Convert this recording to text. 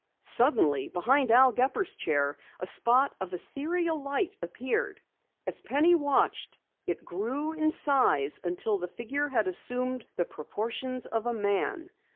Suddenly, behind Al Gepper's chair a spot of ethereal light appeared. As Penny watched, it grew in size until the figure had assumed the proportions of a man.